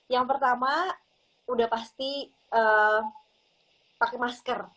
yang pertama udah pasti pakai masker